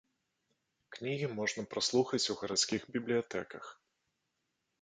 Кнігі можна праслухаць у гарадскіх бібліятэках.